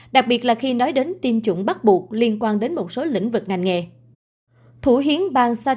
đặc biệt là khi nói đến tiêm chủng bắt buộc liên quan đến mặt pháp lý và cách tiếp cận thống nhất cho tất cả các cơ quan y tế ở đức